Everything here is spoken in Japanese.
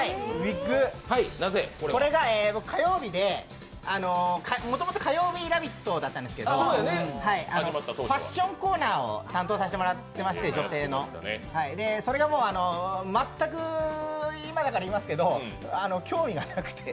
これがもともと火曜日「ラヴィット！」だったんですけど女性のファッションコーナーを担当させてもらってまして、それが全く今だから言いますけど興味がなくて。